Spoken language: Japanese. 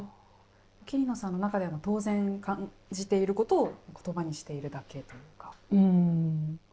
桐野さんの中では当然感じていることを言葉にしているだけというか。